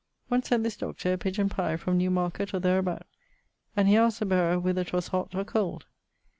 One sent this Doctor a pidgeon pye from New market or thereabout, and he askt the bearer whither 'twas hott, or cold?